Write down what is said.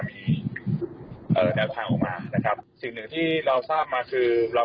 มีเอ่อแนวทางออกมานะครับสิ่งหนึ่งที่เราทราบมาคือเรา